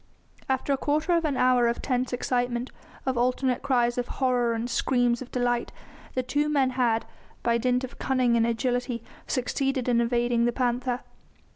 After a quarter of an hour of tense excitement, of alternate cries of horror and screams of delight, the two men had, by dint of cunning and agility, succeeded in evading the panther.